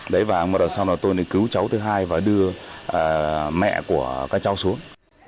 đấy và một lần sau là tôi cứu cháu thứ hai và đưa mẹ của các cháu xuống